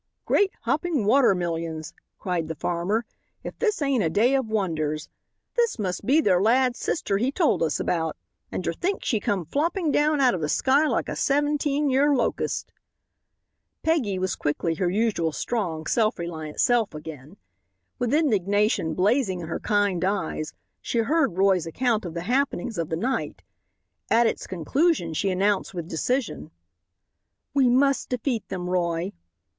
"Great hopping water millions!" cried the farmer, "if this ain't a day of wonders. This must be ther lad's sister he told us about, and ter think she come flopping down out of ther sky like a seventeen y'ar locust." Peggy was quickly her usual strong, self reliant self again. With indignation blazing in her kind eyes she heard Roy's account of the happenings of the night. At its conclusion she announced with decision: "We must defeat them, Roy."